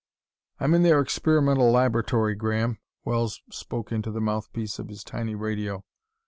"I'm in their experimental laboratory, Graham," Wells spoke into the mouthpiece of his tiny radio.